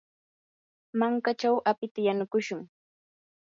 mankachaw apita yanukushun.